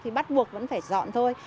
thì bắt buộc vẫn phải dọn thôi